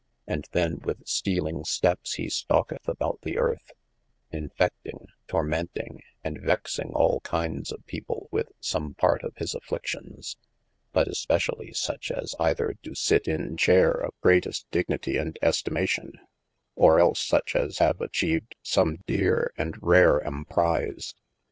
And then with stealing steps he stalketh about the earth, enfe£ting, tormenting, & vexing all kindes of people with some part of his afflictions : but especiallye such as eyther doe sit in chayre of greatest dignity and estimation, or els such as have atchived some deere and rare emprise.